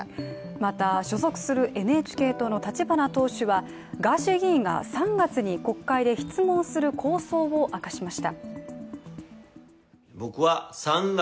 また、所属するＮＨＫ党の立花議員はガーシー議員が３月に国会で質問する構想を明かしました。